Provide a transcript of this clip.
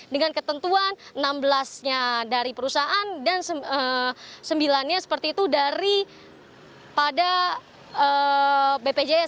dengan ketentuan enam belas nya dari perusahaan dan sembilan nya seperti itu dari pada bpjs